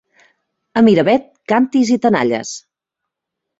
A Miravet, càntirs i tenalles.